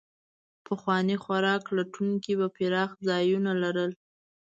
پخواني خوراک لټونکي به پراخه ځایونه لرل.